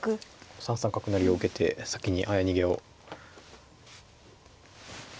３三角成を受けて先に早逃げを。